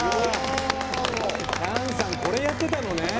チャンさんこれやってたのね。